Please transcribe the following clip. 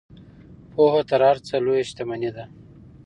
پوهه تر هر څه لویه شتمني ده.